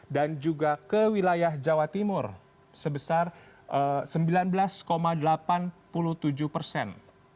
dan juga ke wilayah jawa timur sebesar sembilan belas delapan puluh tujuh persen